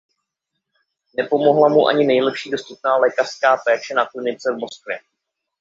Nepomohla mu ani nejlepší dostupná lékařská péče na klinice v Moskvě.